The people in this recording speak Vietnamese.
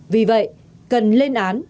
vì vậy cần lên án